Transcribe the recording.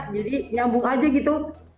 jadi nyambung aja gitu